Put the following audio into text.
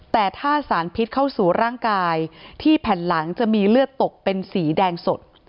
แต่ถ้าสารพิษเข้าสู่ร่างกายที่แผ่นหลังจะมีเลือดตกเป็นสีแดงสด